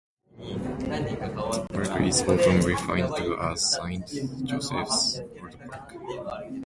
The park is often referred to as Saint Joseph's oldest park.